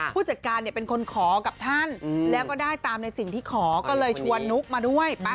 ผู้จัดการเนี่ยเป็นคนขอกับท่านแล้วก็ได้ตามในสิ่งที่ขอก็เลยชวนนุ๊กมาด้วย